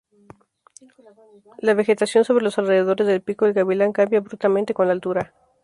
La vegetación sobre los alrededores del Pico El Gavilán cambia abruptamente con la altura.